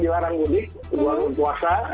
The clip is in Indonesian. diwarang mudik diwarung puasa